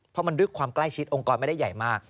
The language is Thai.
เพราะมันด้วยความใกล้ชิดองค์กรไม่ได้ใหญ่มาก